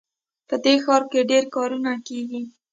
په دې ښار کې ډېر کارونه کیږي